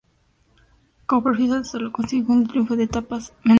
Como profesional tan sólo consiguió algún triunfo de etapa en vueltas menores.